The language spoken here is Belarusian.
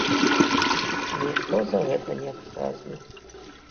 І ніхто за гэта не адказны.